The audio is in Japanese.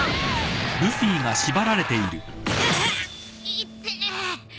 いってえ。